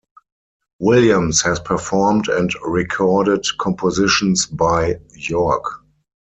Williams has performed and recorded compositions by York.